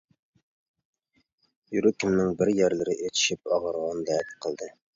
يۈرىكىمنىڭ بىر يەرلىرى ئىچىشىپ ئاغرىغاندەك قىلدى.